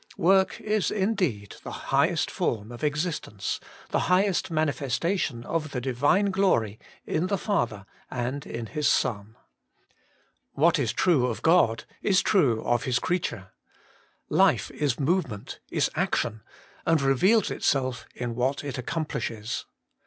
Work is indeed the highest form of existence, the highest manifestation of the Divine glory in the Father and in His Son. 36 Working for God 37 What is true of God is true of His creature. Life is movement, is action, and reveals itself in what it accomplishes.